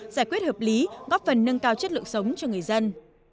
giải quyết hợp lý góp phần nâng cao chất lượng sống cho người dân